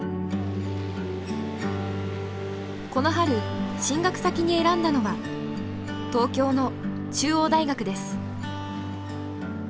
この春進学先に選んだのは東京の中央大学です。